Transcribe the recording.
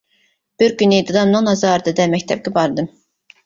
بىر كۈنى دادامنىڭ نازارىتىدە مەكتەپكە باردىم.